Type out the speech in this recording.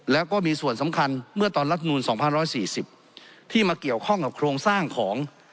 แล้วก็มีส่วนสำคัญเมื่อตอนรัฐมนูล๒๑๔๐ที่มาเกี่ยวข้องกับโครงสร้างของ